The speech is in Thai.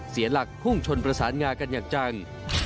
เสียหลักพุ่งชนประสานงากันอย่างจัง